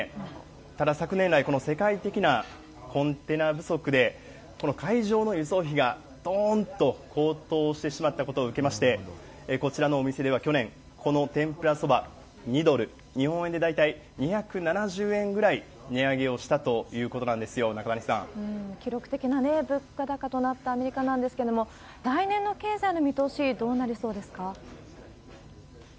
ただ、昨年来、この世界的なコンテナ不足で、この海上の輸送費がどーんと高騰してしまったことを受けまして、こちらのお店では去年、この天ぷらそば、２ドル、日本円で大体２７０円ぐらい値上げをしたということなんですよ、記録的な物価高となったアメリカなんですけれども、来年の経済の見通し、どうなりそうですか？